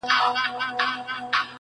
خالق ورته لیکلي دي د نوح د قوم خوبونه!!